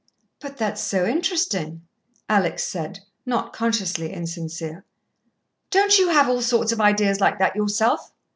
"But that's so interesting," Alex said, not consciously insincere. "Don't you have all sorts of ideas like that yourself?"